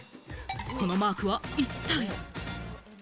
このマークは一体？